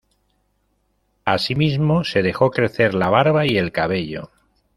Asimismo, se dejó crecer la barba y el cabello.